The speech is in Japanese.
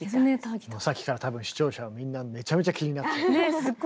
さっきから多分視聴者はみんなめちゃめちゃ気になってた。